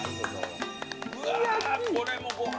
うわーこれもご飯。